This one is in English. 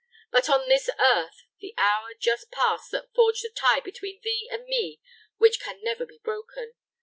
But on this earth, the hour just passed has forged a tie between thee and me which can never be broken.